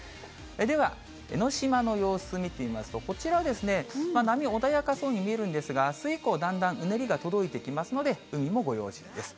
では、江の島の様子見てみますと、こちら、波、穏やかそうに見えるんですが、あす以降、だんだんうねりが届いてきますので、海もご用心です。